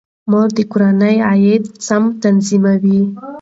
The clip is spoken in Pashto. مور د کورنۍ عاید سم تنظیموي.